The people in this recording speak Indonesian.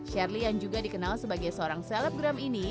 sherly yang juga dikenal sebagai seorang selebgram ini